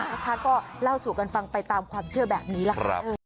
นะคะก็เล่าสู่กันฟังไปตามความเชื่อแบบนี้ล่ะครับ